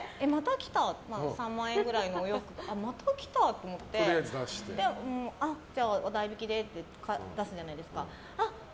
３万円ぐらいのお洋服がまた来たと思ってじゃあ代引きでって出すじゃないですか。